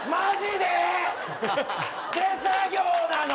手作業なの？